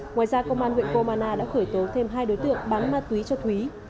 ngoài ra công an huyện croman đã khởi tố thêm hai đối tượng bán ma túy cho thúy